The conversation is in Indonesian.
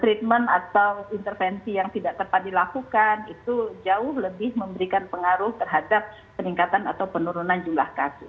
treatment atau intervensi yang tidak tepat dilakukan itu jauh lebih memberikan pengaruh terhadap peningkatan atau penurunan jumlah kasus